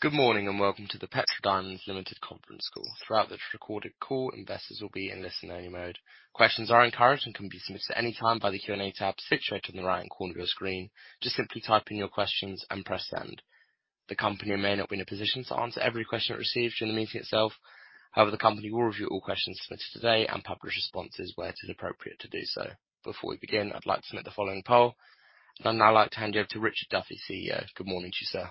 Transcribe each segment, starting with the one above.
Good morning, and welcome to the Petra Diamonds Limited Conference Call. Throughout this recorded call, investors will be in listen-only mode. Questions are encouraged and can be submitted at any time by the Q&A tab situated in the right-hand corner of your screen. Just simply type in your questions and press Send. The company may not be in a position to answer every question it receives during the meeting itself. However, the company will review all questions submitted today and publish responses where it is appropriate to do so. Before we begin, I'd like to submit the following poll. I'd now like to hand you over to Richard Duffy, CEO. Good morning to you, sir.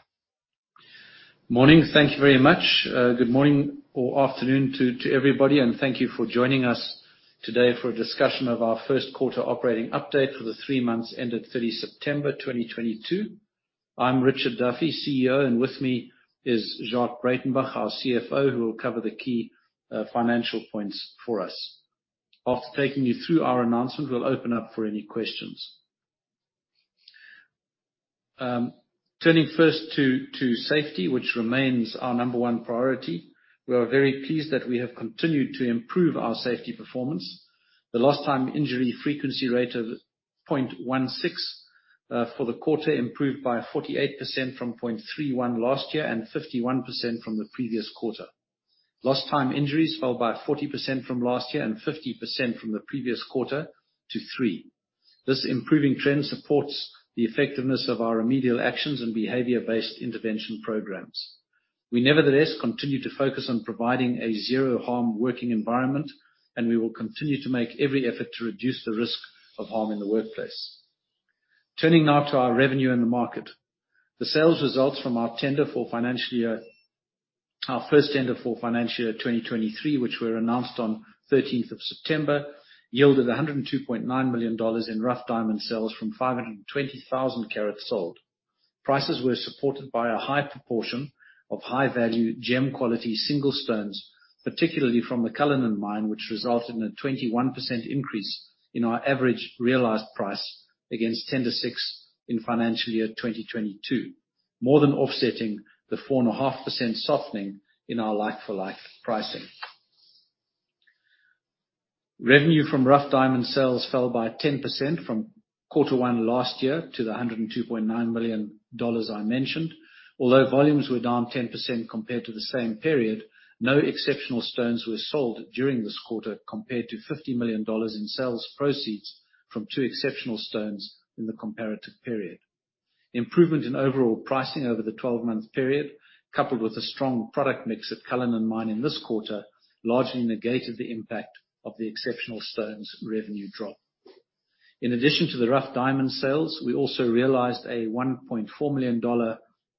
Morning. Thank you very much. Good morning or afternoon to everybody, and thank you for joining us today for a discussion of our first quarter operating update for the three months ended 30 September 2022. I'm Richard Duffy, CEO, and with me is Jacques Breytenbach, our CFO, who will cover the key financial points for us. After taking you through our announcement, we'll open up for any questions. Turning first to safety, which remains our number one priority. We are very pleased that we have continued to improve our safety performance. The lost time injury frequency rate of 0.16 for the quarter improved by 48% from 0.31 last year, and 51% from the previous quarter. Lost time injuries fell by 40% from last year and 50% from the previous quarter to 3. This improving trend supports the effectiveness of our remedial actions and behavior-based intervention programs. We nevertheless continue to focus on providing a zero-harm working environment, and we will continue to make every effort to reduce the risk of harm in the workplace. Turning now to our revenue in the market. The sales results from our first tender for financial year 2023, which were announced on 13th of September, yielded $102.9 million in rough diamond sales from 520,000 carats sold. Prices were supported by a high proportion of high-value gem quality single stones, particularly from the Cullinan mine, which resulted in a 21% increase in our average realized price against tender six in financial year 2022, more than offsetting the 4.5% softening in our like for like pricing. Revenue from rough diamond sales fell by 10% from quarter one last year to the $102.9 million I mentioned. Although volumes were down 10% compared to the same period, no exceptional stones were sold during this quarter compared to $50 million in sales proceeds from two exceptional stones in the comparative period. Improvement in overall pricing over the 12-month period, coupled with a strong product mix at Cullinan mine in this quarter, largely negated the impact of the exceptional stones revenue drop. In addition to the rough diamond sales, we also realized a $1.4 million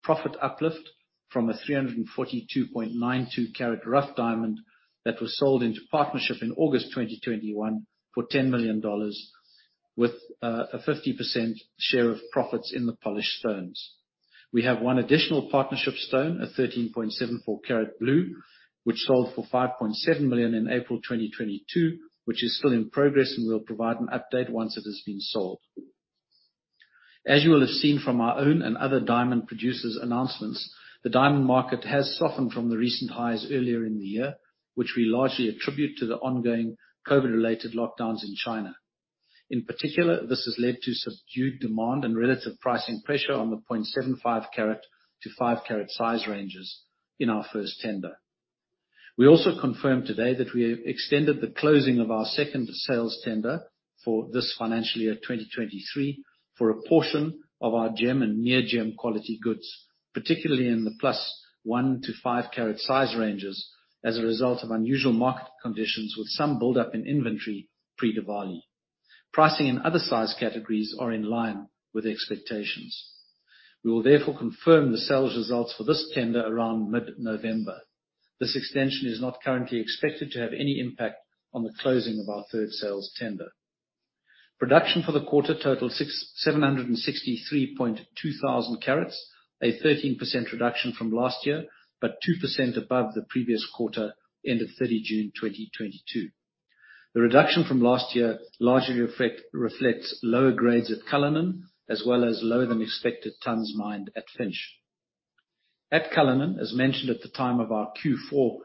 profit uplift from a 342.92-carat rough diamond that was sold into partnership in August 2021 for $10 million with a 50% share of profits in the polished stones. We have one additional partnership stone, a 13.74-carat blue, which sold for $5.7 million in April 2022, which is still in progress, and we'll provide an update once it has been sold. As you will have seen from our own and other diamond producers' announcements, the diamond market has softened from the recent highs earlier in the year, which we largely attribute to the ongoing COVID-related lockdowns in China. In particular, this has led to subdued demand and relative pricing pressure on the 0.75-carat to 5-carat size ranges in our first tender. We also confirmed today that we extended the closing of our second sales tender for this financial year 2023 for a portion of our gem and near-gem quality goods, particularly in the +1 to 5 carat size ranges as a result of unusual market conditions with some build up in inventory pre-Diwali. Pricing in other size categories are in line with expectations. We will therefore confirm the sales results for this tender around mid-November. This extension is not currently expected to have any impact on the closing of our third sales tender. Production for the quarter totals 763,200 carats, a 13% reduction from last year, but 2% above the previous quarter end of 30 June 2022. The reduction from last year largely reflects lower grades at Cullinan, as well as lower than expected tonnes mined at Finsch. At Cullinan, as mentioned at the time of our Q4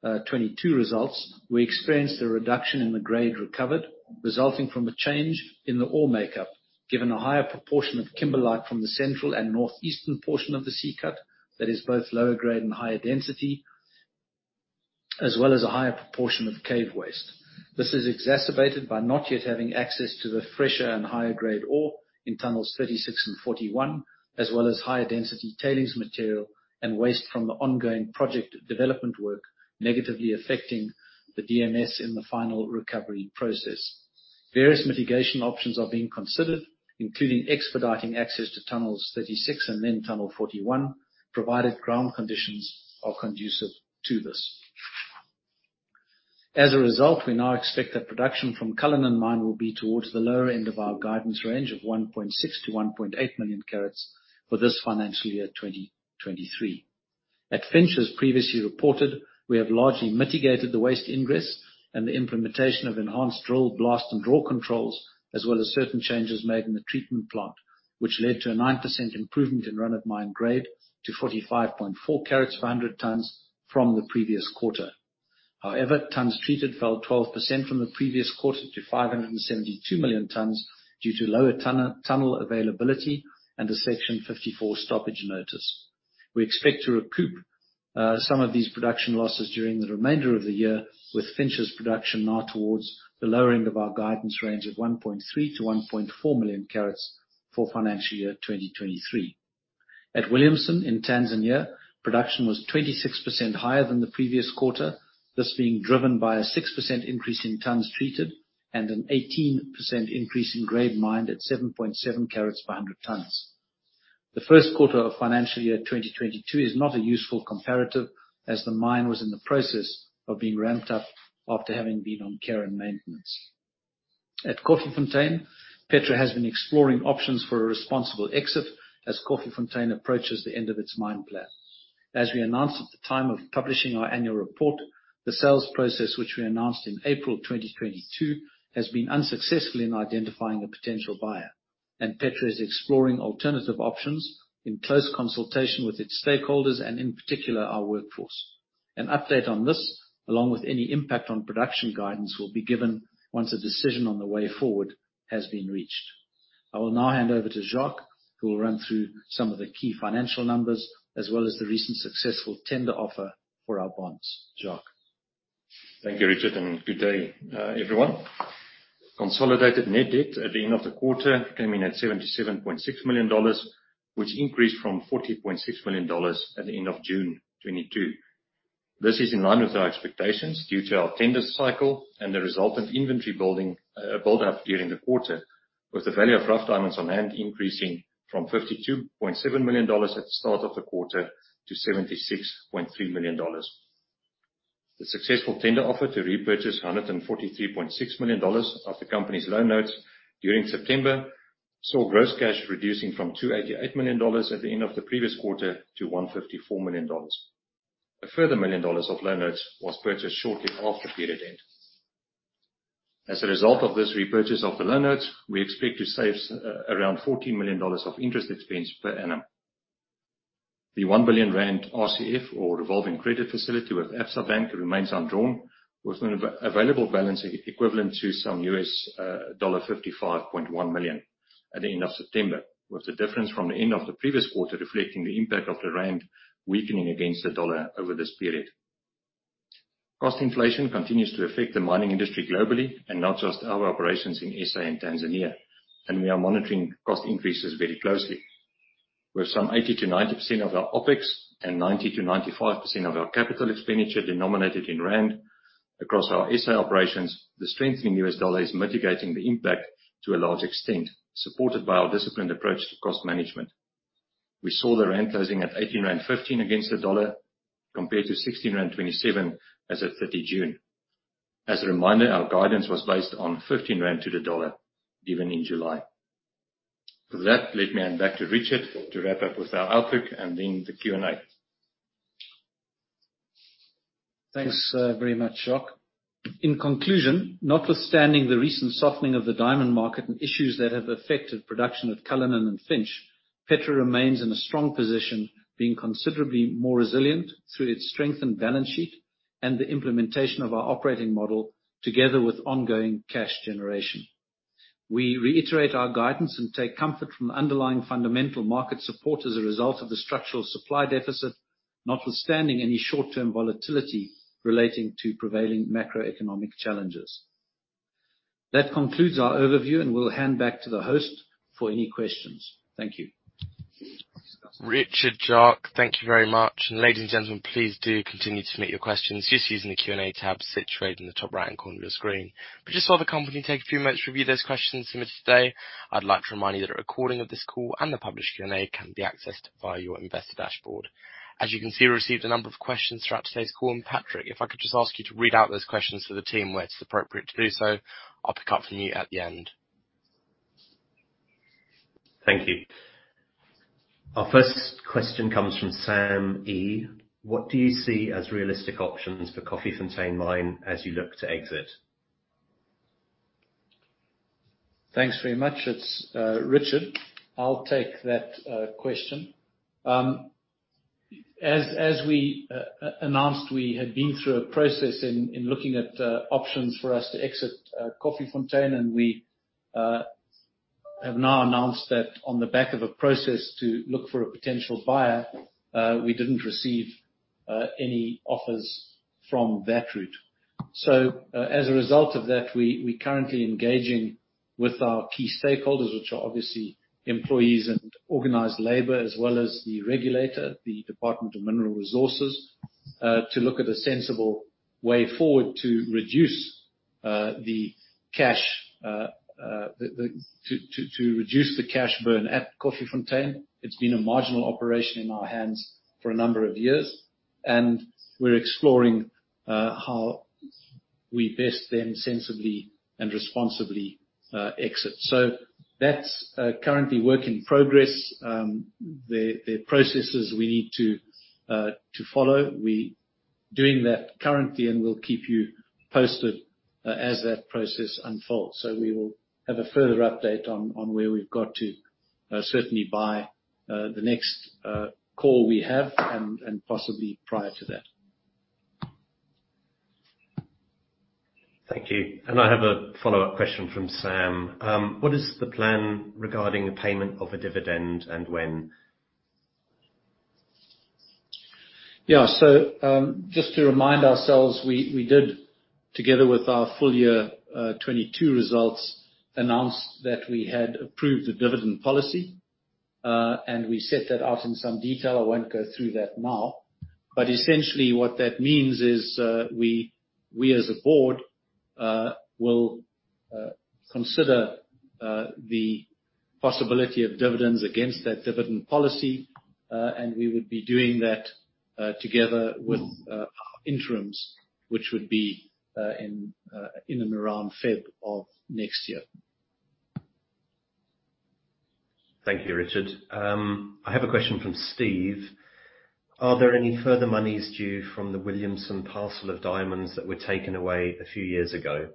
2022 results, we experienced a reduction in the grade recovered resulting from a change in the ore makeup, given a higher proportion of kimberlite from the central and north-eastern portion of the C-cut that is both lower grade and higher density, as well as a higher proportion of cave waste. This is exacerbated by not yet having access to the fresher and higher grade ore in tunnels 36 and 41, as well as higher density tailings material and waste from the ongoing project development work negatively affecting the DMS in the final recovery process. Various mitigation options are being considered, including expediting access to tunnels 36 and then tunnel 41, provided ground conditions are conducive to this. As a result, we now expect that production from Cullinan mine will be towards the lower end of our guidance range of 1.6-1.8 million carats for this financial year 2023. At Finsch, as previously reported, we have largely mitigated the waste ingress and the implementation of enhanced drill, blast, and draw controls, as well as certain changes made in the treatment plant, which led to a 9% improvement in run-of-mine grade to 45.4 carats per 100 tonnes from the previous quarter. However, tons treated fell 12% from the previous quarter to 572 million tons due to lower tunnel availability and a Section 54 stoppage notice. We expect to recoup some of these production losses during the remainder of the year, with Finsch's production now towards the lower end of our guidance range of 1.3-1.4 million carats for financial year 2023. At Williamson in Tanzania, production was 26% higher than the previous quarter, this being driven by a 6% increase in tons treated and an 18% increase in grade mined at 7.7 carats per 100 tons. The first quarter of financial year 2022 is not a useful comparative as the mine was in the process of being ramped up after having been on care and maintenance. At Koffiefontein, Petra has been exploring options for a responsible exit as Koffiefontein approaches the end of its mine plan. As we announced at the time of publishing our annual report, the sales process which we announced in April 2022 has been unsuccessful in identifying a potential buyer, and Petra is exploring alternative options in close consultation with its stakeholders, and in particular, our workforce. An update on this, along with any impact on production guidance, will be given once a decision on the way forward has been reached. I will now hand over to Jacques, who will run through some of the key financial numbers as well as the recent successful tender offer for our bonds. Jacques. Thank you, Richard, and good day, everyone. Consolidated net debt at the end of the quarter came in at $77.6 million, which increased from $40.6 million at the end of June 2022. This is in line with our expectations due to our tender cycle and the result of inventory building, build up during the quarter, with the value of rough diamonds on hand increasing from $52.7 million at the start of the quarter to $76.3 million. The successful tender offer to repurchase $143.6 million of the company's loan notes during September, saw gross cash reducing from $288 million at the end of the previous quarter to $154 million. A further $1 million of loan notes was purchased shortly after period end. As a result of this repurchase of the loan notes, we expect to save around $14 million of interest expense per annum. The 1 billion RCF, or revolving credit facility, with Absa Bank remains undrawn, with an available balance equivalent to some US dollar $55.1 million at the end of September, with the difference from the end of the previous quarter reflecting the impact of the rand weakening against the dollar over this period. Cost inflation continues to affect the mining industry globally and not just our operations in SA and Tanzania, and we are monitoring cost increases very closely. With some 80%-90% of our OpEx and 90%-95% of our capital expenditure denominated in rand across our SA operations, the strengthening US dollar is mitigating the impact to a large extent, supported by our disciplined approach to cost management. We saw the rand closing at 18.15 rand against the dollar, compared to 16.27 rand as at 30 June. As a reminder, our guidance was based on 15 rand to the dollar, given in July. For that, let me hand back to Richard to wrap up with our outlook and then the Q&A. Thanks, very much, Jacques. In conclusion, notwithstanding the recent softening of the diamond market and issues that have affected production at Cullinan and Finsch, Petra remains in a strong position being considerably more resilient through its strengthened balance sheet and the implementation of our operating model together with ongoing cash generation. We reiterate our guidance and take comfort from underlying fundamental market support as a result of the structural supply deficit, notwithstanding any short-term volatility relating to prevailing macroeconomic challenges. That concludes our overview, and we'll hand back to the host for any questions. Thank you. Richard, Jacques, thank you very much. Ladies and gentlemen, please do continue to submit your questions using the Q&A tab situated in the top right-hand corner of your screen. Just while the company takes a few moments to review those questions submitted today, I'd like to remind you that a recording of this call and the published Q&A can be accessed via your investor dashboard. As you can see, we received a number of questions throughout today's call, and Patrick, if I could just ask you to read out those questions to the team where it's appropriate to do so. I'll pick up from you at the end. Thank you. Our first question comes from Sam E. What do you see as realistic options for Koffiefontein Mine as you look to exit? Thanks very much. It's Richard. I'll take that question. As we announced, we had been through a process in looking at options for us to exit Koffiefontein, and we have now announced that on the back of a process to look for a potential buyer, we didn't receive any offers from that route. As a result of that, we are currently engaging with our key stakeholders, which are obviously employees and organized labor, as well as the regulator, the Department of Mineral Resources, to look at a sensible way forward to reduce the cash burn at Koffiefontein. It's been a marginal operation in our hands for a number of years, and we're exploring how we best then sensibly and responsibly exit. That's currently work in progress. There are processes we need to follow. We doing that currently, and we'll keep you posted as that process unfolds. We will have a further update on where we've got to, certainly by the next call we have and possibly prior to that. Thank you. I have a follow-up question from Sam. What is the plan regarding the payment of a dividend, and when? Yeah. Just to remind ourselves, we did together with our full year 2022 results announce that we had approved the dividend policy, and we set that out in some detail. I won't go through that now. Essentially what that means is, we as a board will consider the possibility of dividends against that dividend policy, and we would be doing that together with our interims which would be in and around February of next year. Thank you, Richard. I have a question from Steve. Are there any further monies due from the Williamson parcel of diamonds that were taken away a few years ago?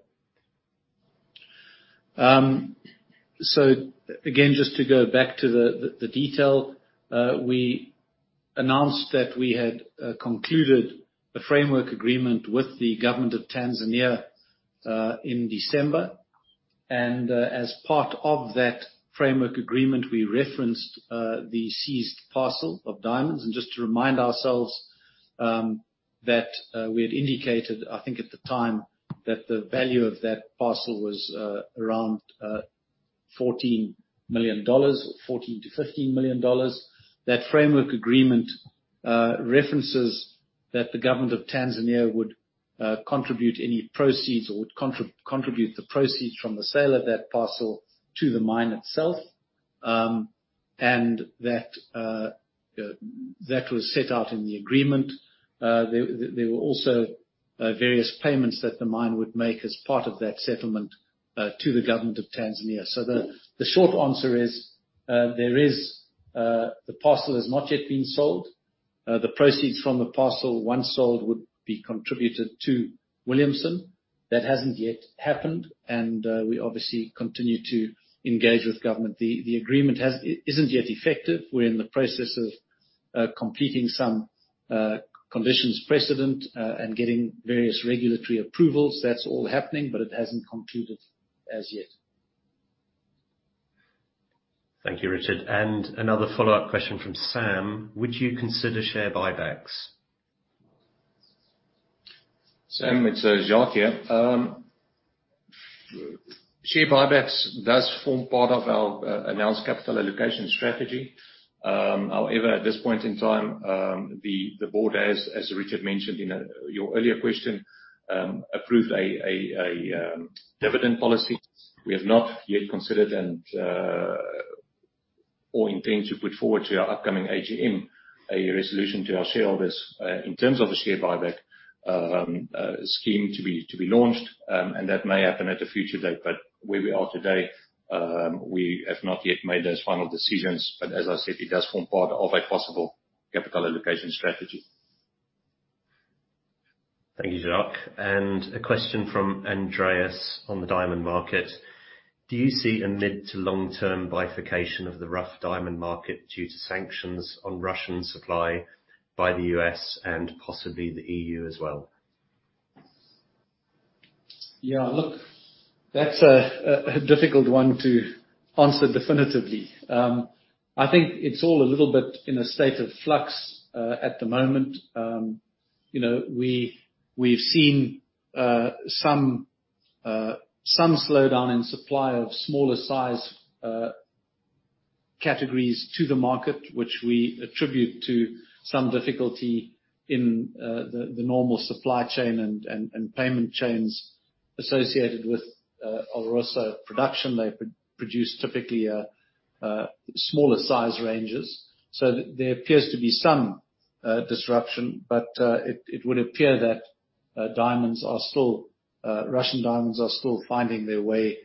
Again, just to go back to the detail, we announced that we had concluded a framework agreement with the government of Tanzania in December. As part of that framework agreement, we referenced the seized parcel of diamonds. Just to remind ourselves, that we had indicated, I think at the time, that the value of that parcel was around $14 million, $14-$15 million. That framework agreement references that the government of Tanzania would contribute any proceeds or would contribute the proceeds from the sale of that parcel to the mine itself. That was set out in the agreement. There were also various payments that the mine would make as part of that settlement to the government of Tanzania. The short answer is, there is the parcel has not yet been sold. The proceeds from the parcel, once sold, would be contributed to Williamson. That hasn't yet happened, and we obviously continue to engage with government. The agreement isn't yet effective. We're in the process of completing some conditions precedent and getting various regulatory approvals. That's all happening, but it hasn't concluded as yet. Thank you, Richard. Another follow-up question from Sam. Would you consider share buybacks? Sam, it's Jacques here. Share buybacks does form part of our announced capital allocation strategy. However, at this point in time, the board has, as Richard mentioned in your earlier question, approved a dividend policy. We have not yet considered and or intend to put forward to our upcoming AGM a resolution to our shareholders in terms of a share buyback scheme to be launched. That may happen at a future date. Where we are today, we have not yet made those final decisions. As I said, it does form part of a possible capital allocation strategy. Thank you, Jacques. A question from Andreas on the diamond market. Do you see a mid- to long-term bifurcation of the rough diamond market due to sanctions on Russian supply by the U.S. and possibly the E.U. as well? Yeah. Look, that's a difficult one to answer definitively. I think it's all a little bit in a state of flux at the moment. You know, we've seen some slowdown in supply of smaller size categories to the market, which we attribute to some difficulty in the normal supply chain and payment chains associated with Alrosa production. They produce typically smaller size ranges. So there appears to be some disruption, but it would appear that diamonds are still Russian diamonds are still finding their way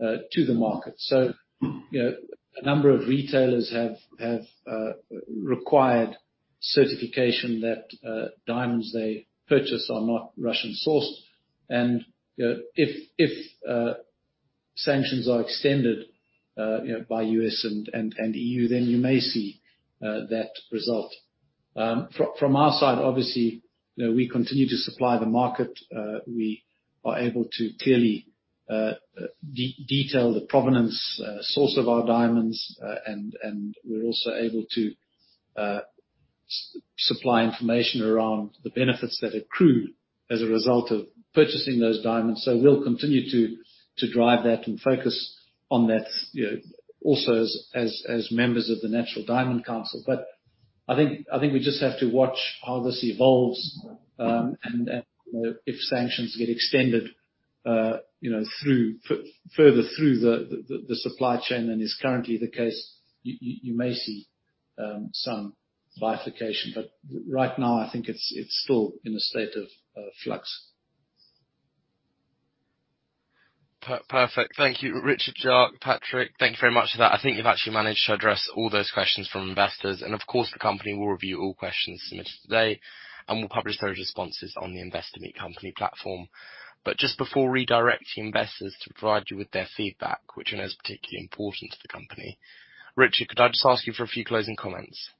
to the market. So, you know, a number of retailers have required certification that diamonds they purchase are not Russian-sourced. If sanctions are extended, you know, by U.S. and E.U., then you may see that result. From our side obviously, you know, we continue to supply the market. We are able to clearly detail the provenance source of our diamonds. And we're also able to supply information around the benefits that accrue as a result of purchasing those diamonds. We'll continue to drive that and focus on that, you know, also as members of the Natural Diamond Council. I think we just have to watch how this evolves, and if sanctions get extended, you know, through further the supply chain than is currently the case, you may see some bifurcation. Right now, I think it's still in a state of flux. Perfect. Thank you, Richard, Jacques, Patrick, thank you very much for that. I think you've actually managed to address all those questions from investors. Of course, the company will review all questions submitted today, and we'll publish those responses on the Investor Meet Company platform. Just before redirecting investors to provide you with their feedback, which I know is particularly important to the company, Richard, could I just ask you for a few closing comments?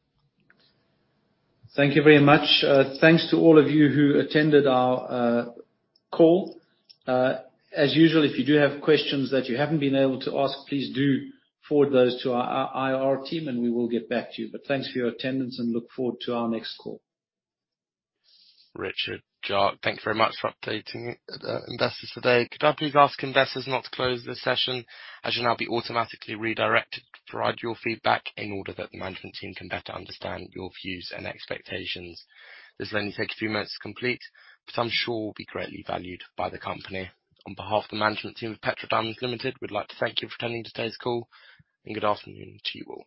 Thank you very much. Thanks to all of you who attended our call. As usual, if you do have questions that you haven't been able to ask, please do forward those to our IR team, and we will get back to you. Thanks for your attendance, and look forward to our next call. Richard, Jacques, thank you very much for updating investors today. Could I please ask investors not to close this session, as you'll now be automatically redirected to provide your feedback in order that the management team can better understand your views and expectations. This will only take a few minutes to complete, but I'm sure will be greatly valued by the company. On behalf of the management team of Petra Diamonds Limited, we'd like to thank you for attending today's call, and good afternoon to you all.